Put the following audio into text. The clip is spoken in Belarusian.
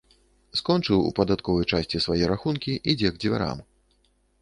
Скончыў у падатковай часці свае рахункі, ідзе к дзвярам.